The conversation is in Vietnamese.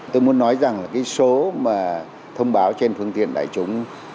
tôi muốn nói rằng số thông báo trên phương tiện đại chúng